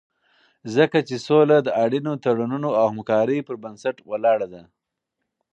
ځکه چې سوله د اړینو تړونونو او همکارۍ پر بنسټ ولاړه ده.